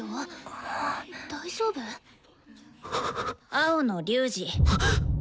青野龍仁。